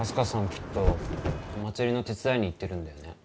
きっとお祭りの手伝いに行ってるんだよね